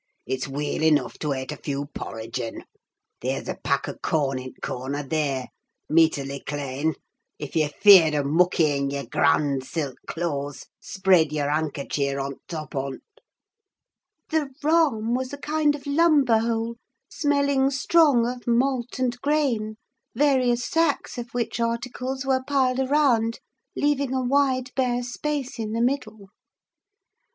"It's weel eneugh to ate a few porridge in. There's a pack o' corn i' t' corner, thear, meeterly clane; if ye're feared o' muckying yer grand silk cloes, spread yer hankerchir o' t' top on't." The "rahm" was a kind of lumber hole smelling strong of malt and grain; various sacks of which articles were piled around, leaving a wide, bare space in the middle.